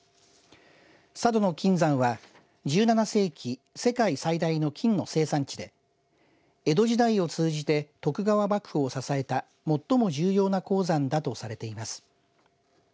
佐渡島の金山は１７世紀世界最大の金の生産地で江戸時代を通じて徳川幕府を支えた最も重要な鉱山だとされています。